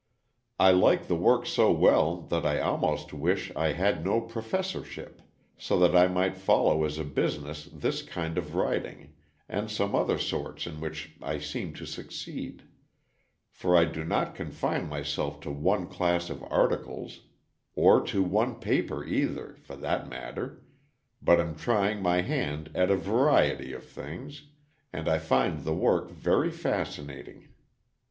I like the work so well that I almost wish I had no professorship, so that I might follow as a business this kind of writing, and some other sorts in which I seem to succeed for I do not confine myself to one class of articles, or to one paper either, for that matter, but am trying my hand at a variety of things, and I find the work very fascinating.